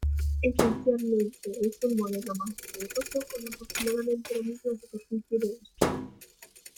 Esencialmente es un modelo más poderoso con aproximadamente la misma superficie de uso.